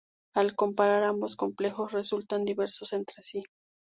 Al comparar ambos complejos resultan diversos entre sí.